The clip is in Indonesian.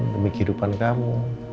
demi kehidupan kamu